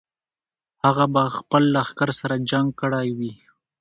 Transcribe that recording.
هغه به خپل لښکر سره جنګ کړی وي.